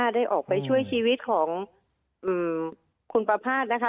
ได้ออกไปช่วยชีวิตของคุณประภาษณ์นะคะ